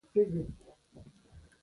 د لوړ کثافت لرونکي دي.